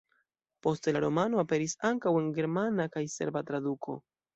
Poste la romano aperis ankaŭ en germana kaj serba traduko.